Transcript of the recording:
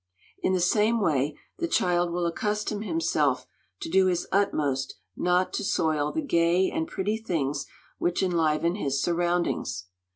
In the same way the child will accustom himself to do his utmost not to soil the gay and pretty things which enliven his surroundings.